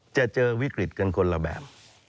จะเจอวิกฤตกันคนละแบบ